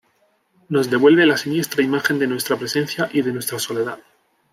nos devuelve la siniestra imagen de nuestra presencia y de nuestra soledad